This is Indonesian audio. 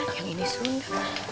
yang ini sunda